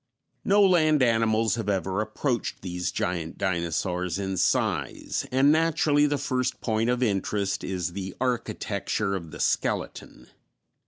No land animals have ever approached these giant dinosaurs in size, and naturally the first point of interest is the architecture of the skeleton.